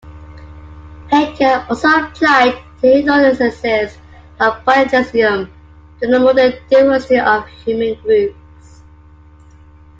Haeckel also applied the hypothesis of polygenism to the modern diversity of human groups.